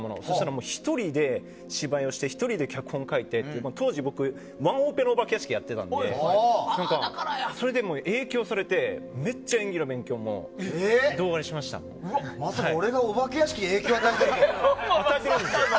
１人で芝居をして１人で脚本を書いて、当時僕ワンオペのお化け屋敷をやっててそれで影響されてめっちゃ演技の勉強もまさか、俺がお化け屋敷に影響を与えていたとは。